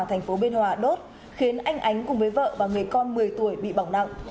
thành phố biên hòa đốt khiến anh ánh cùng với vợ và người con một mươi tuổi bị bỏng nặng